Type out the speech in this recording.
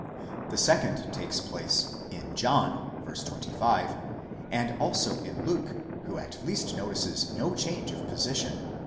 The second takes place, in John (v. 25), and also in Luke, who at least notices no change of position (v.